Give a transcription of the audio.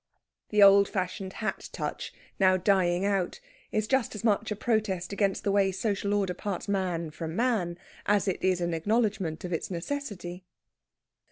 The old fashioned hat touch, now dying out, is just as much a protest against the way social order parts man from man as it is an acknowledgment of its necessity.